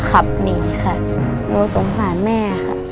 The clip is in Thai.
ขับหนีค่ะหนูสงสารแม่ค่ะ